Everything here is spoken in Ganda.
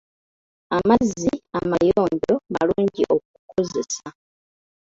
Amazzi amayonjo malungi okukozesa.